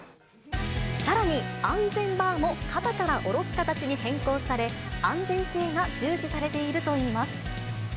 さらに安全バーも、肩から下ろす形に変更され、安全性が重視されているといいます。